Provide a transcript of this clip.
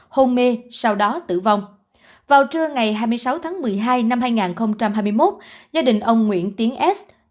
hôn mê sau đó tử vong vào trưa ngày hai mươi sáu tháng một mươi hai năm hai nghìn hai mươi một gia đình ông nguyễn tiến s